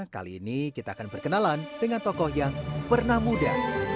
kali ini kita akan berkenalan dengan tokoh yang pernah muda